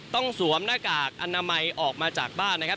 สวมหน้ากากอนามัยออกมาจากบ้านนะครับ